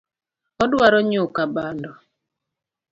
Odwaro nyuka bando